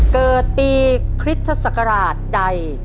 เกิดปีคริสตศักราชใด